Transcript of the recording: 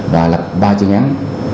và lập ba chuyên án